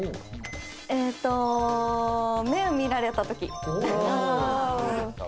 えっと目を見られたとき。